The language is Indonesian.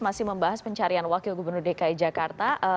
masih membahas pencarian wakil gubernur dki jakarta